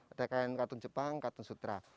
ada kain katun jepang katun sutra